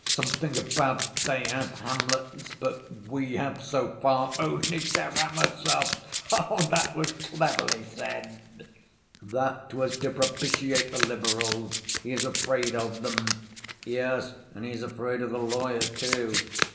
Something about 'They have Hamlets, but we have, so far, only Karamazovs!' That was cleverly said!" "That was to propitiate the liberals. He is afraid of them." "Yes, and he is afraid of the lawyer, too."